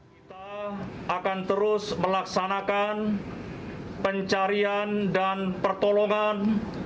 kita akan terus melaksanakan pencarian dan pertolongan